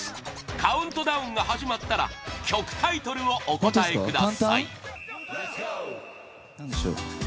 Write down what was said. カウントダウンが始まったら曲タイトルをお答えください